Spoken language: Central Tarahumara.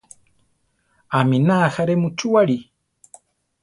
Aminá ajaré muchúware.